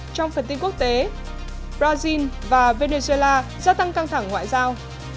trong phần tin quốc tế brazil và venezuela gia tăng căng thẳng ngoại giao